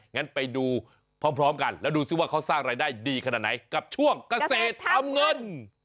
งั้นไปดูพร้อมกันแล้วดูซิว่าเขาสร้างรายได้ดีขนาดไหนกับช่วงเกษตรทำเงิน